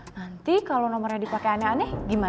nanti kalo nomornya dipake aneh aneh gimana